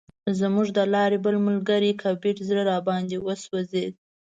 زموږ د لارې بل ملګری کبیر زړه راباندې وسوځید.